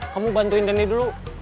kamu bantuin denny dulu